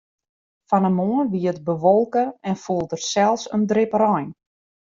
Fan 'e moarn wie it bewolke en foel der sels in drip rein.